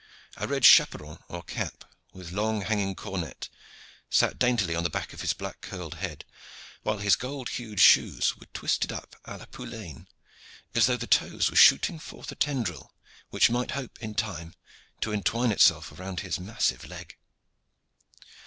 A red chaperon or cap, with long hanging cornette, sat daintily on the back of his black curled head, while his gold hued shoes were twisted up a la poulaine, as though the toes were shooting forth a tendril which might hope in time to entwine itself around his massive leg.